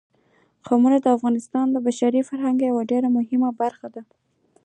قومونه د افغانستان د بشري فرهنګ یوه ډېره مهمه برخه ده.